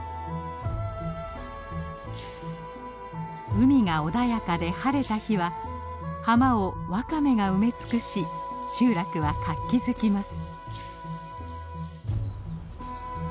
海が穏やかで晴れた日は浜をワカメが埋め尽くし集落は活気づきます。